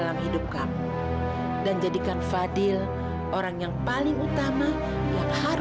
sampai jumpa di video selanjutnya